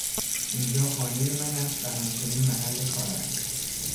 اینجا خانهی من است و همچنین محل کارم.